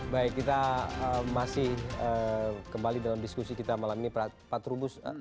baik kita masih kembali dalam diskusi kita malam ini pak trubus